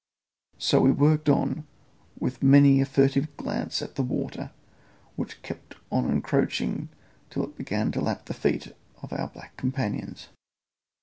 So we worked on, with many a furtive glance at the water, which kept on encroaching till it began to lap the feet of our black companions.